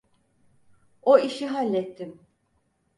O işi hallettim.